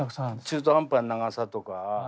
中途半端な長さとか。